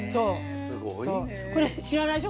知らないでしょ？